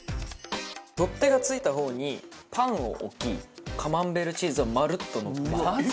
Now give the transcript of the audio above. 取っ手が付いた方にパンを置きカマンベールチーズをまるっとのっけちゃいます。